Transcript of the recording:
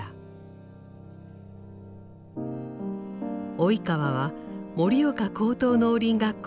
及川は盛岡高等農林学校時代